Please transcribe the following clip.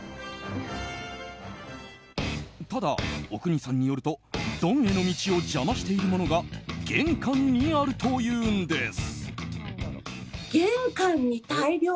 ただ、阿国さんによるとドンへの道を邪魔しているものが玄関にあるというんです。